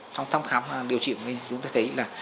trong thăm khám điều trị chúng ta thấy là